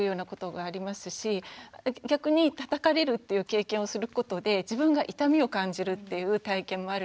逆にたたかれるっていう経験をすることで自分が痛みを感じるっていう体験もあるので。